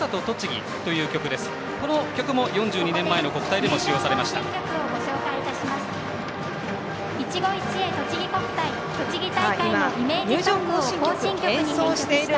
この曲も４２年前の国体でも使用されました。